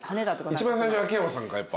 一番最初秋山さんかやっぱ。